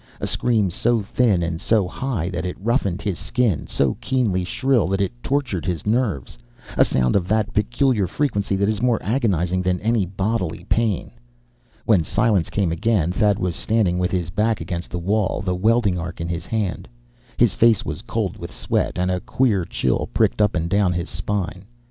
A scream so thin and so high that it roughened his skin, so keenly shrill that it tortured his nerves; a sound of that peculiar frequency that is more agonizing than any bodily pain. When silence came again, Thad was standing with his back against the wall, the welding arc in his hand. His face was cold with sweat, and a queer chill prickled up and down his spine.